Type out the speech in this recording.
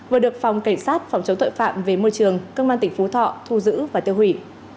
vừa được phòng cảnh sát phòng chống tội phạm về môi trường công an tỉnh phú thọ thu giữ và tiêu hủy